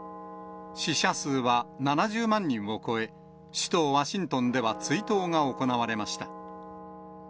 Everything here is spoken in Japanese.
死者数は７０万人を超え、首都ワシントンでは追悼が行われました。